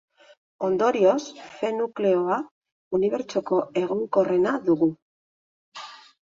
Ondorioz Fe nukleoa unibertsoko egonkorrena dugu.